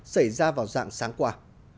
xảy ra vào dạng sáng qua